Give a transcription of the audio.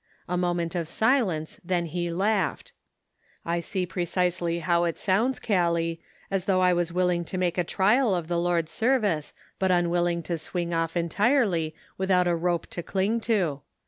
A moment of silence, then he laughed. "I see precisely how that sounds, Callie, as though I was willing to make a trial of the Lord's service, but unwilling to swing off entirety, without a rope to cling to.